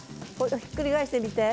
ひっくり返してみて。